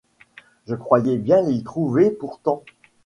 Je croyais bien l’y trouver, pourtant…